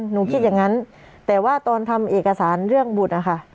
คิดอย่างนั้นแต่ว่าตอนทำเอกสารเรื่องบุตรนะคะ